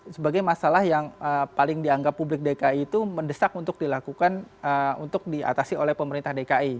sebagai masalah yang paling dianggap publik dki itu mendesak untuk dilakukan untuk diatasi oleh pemerintah dki